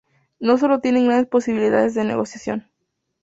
no solo tienen grandes posibilidades de negociación